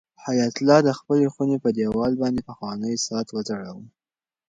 حیات الله د خپلې خونې په دېوال باندې پخوانی ساعت وځړاوه.